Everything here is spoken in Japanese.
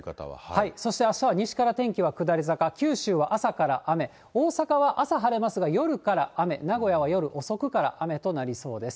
そしてあしたは西から天気は下り坂、九州は朝から雨、大阪は朝晴れますが、夜から雨、名古屋は夜遅くから雨となりそうです。